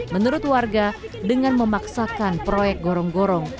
menurut warga dengan memaksakan proyek gorong gorong